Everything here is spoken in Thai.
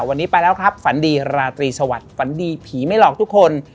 วันนี้ไปแล้วครับฝันดีราตรีสวัสดิฝันดีผีไม่หลอกทุกคน